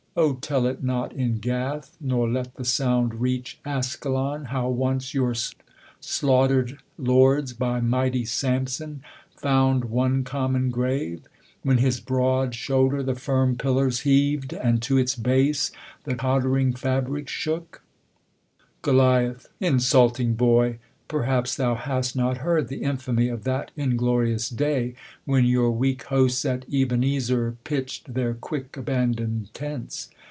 O tell it not in Gath, nor let the sound Reach Askelon, how once your slaughter'd lords, By mighty Samson found one common grave : When his broad shoulder the firm pillars heav'd. And to its base the tott'rinsr fabric shook. "■ Cot. 280 THE COLUMBIAN ORATOR. GoL Insulting boy ; perhaps thou hast not heard The infamy of that inglorious day, When your weak hosts at Eben ezcr pitch'd Their quick abandon'd tents.